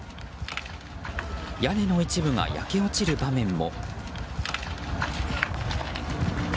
屋根の一部が焼け落ちる場面も。